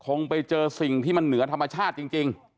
คงไปเจอสิ่งที่มันเหนือธรรมชาติจริง